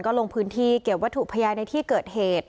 ลงพื้นที่เก็บวัตถุพยานในที่เกิดเหตุ